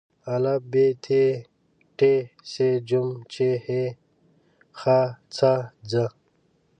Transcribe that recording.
ا ب پ ت ټ ث ج چ ح خ څ ځ